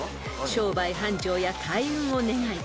［商売繁盛や開運を願い